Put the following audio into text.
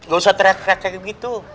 gak usah teriak teriak kayak gitu